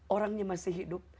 orangnya masih hidup